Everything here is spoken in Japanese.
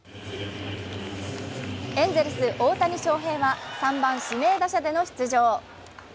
エンゼルス・大谷翔平は３番・指名打者での出場。